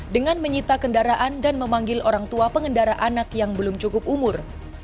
dengan menyita kendaraan dan memanggil orang tua pengendara anak yang belum cukup umur